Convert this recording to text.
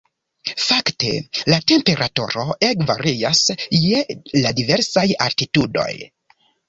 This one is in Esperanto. Fakte la temperaturo ege varias je la diversaj altitudoj.